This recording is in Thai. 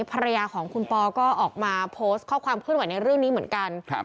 ภรรยาของคุณปอร์ก็ออกมาโพสต์ข้อความขึ้นไว้ในเรื่องนี้เหมือนกันครับ